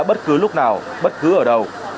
bất cứ lúc nào bất cứ ở đâu